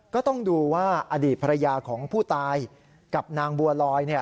ก็ต้องดูว่าอดีตภรรยาของผู้ตายกับนางบัวลอย